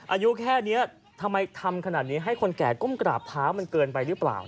อายุแค่นี้ทำไมทำขนาดนี้ให้คนแก่ก้มกราบเท้ามันเกินไปหรือเปล่า